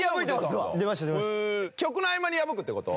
曲の合間に破くって事？